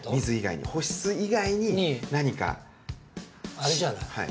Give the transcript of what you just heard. あれじゃない？